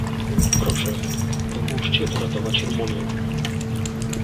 Proszę, pomóżcie uratować Rumunię